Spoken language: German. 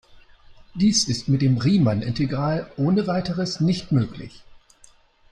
Dies ist mit dem Riemann-Integral ohne weiteres nicht möglich.